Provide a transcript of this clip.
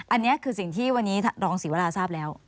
อันนี้คือสิ่งที่วันนี้รองศรีวราทราบแล้ว